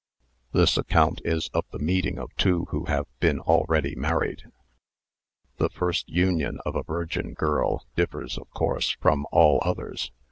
This account is of the meeting of ' two who have been already married. The first union ^.,, of a virgin girl differs, of course, from all others.